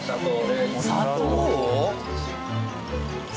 砂糖！？